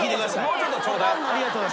もうちょっとちょうだい。